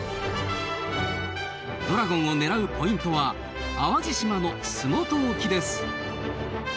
ドラゴンを狙うポイントは淡路島の洲本沖です。